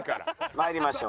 参りましょう。